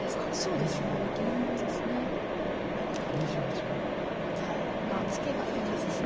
このツケがいい手です。